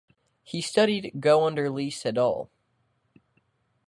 He studied Go under Lee Sedol.